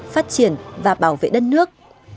phát triển và bảo vệ đất nước